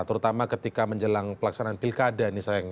terutama ketika menjelang pelaksanaan pilkada